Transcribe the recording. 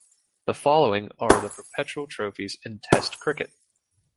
The following are the perpetual trophies in Test Cricket.